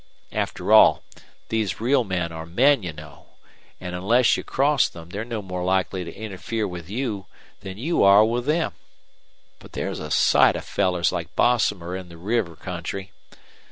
After all, these real men are men, you know, an' onless you cross them they're no more likely to interfere with you than you are with them. But there's a sight of fellers like Bosomer in the river country.